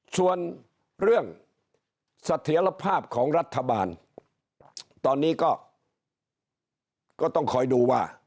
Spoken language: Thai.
ส่วนเรื่องเสถียรภาพของรัฐบาลตอนนี้ก็ต้องคอยดูว่า